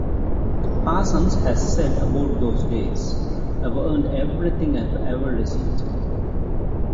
Parsons has said about those days, I've earned everything I've ever received.